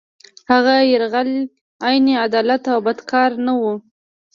هغه یرغل عین عدالت او بد کار نه وو.